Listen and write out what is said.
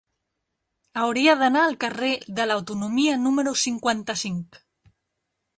Hauria d'anar al carrer de l'Autonomia número cinquanta-cinc.